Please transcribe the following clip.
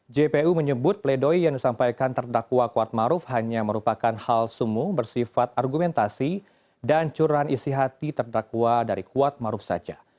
jpu menyebut pledoi yang disampaikan terdakwa kuatmaruf hanya merupakan hal sumuh bersifat argumentasi dan curahan isi hati terdakwa dari kuatmaruf saja